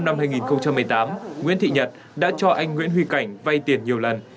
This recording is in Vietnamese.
nguyễn thị nhật đã cho anh nguyễn huy cảnh vay tiền nhiều lần